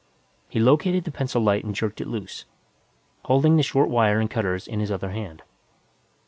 He located the pencil light and jerked it loose, holding the short wire and cutters in his other hand.